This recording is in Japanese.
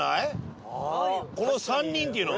この３人っていうのは。